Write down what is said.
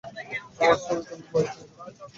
আমার স্বামীকে আমি ভয় পাই না।